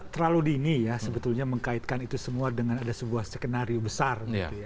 terlalu dini ya sebetulnya mengkaitkan itu semua dengan ada sebuah skenario besar